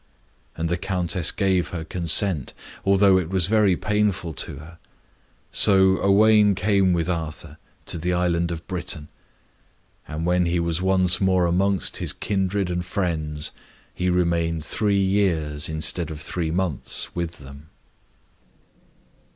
And the Countess gave her consent, although it was very painful to her. So Owain came with Arthur to the island of Britain. And when he was once more amongst his kindred and friends, he remained three years, instead of three months, with them.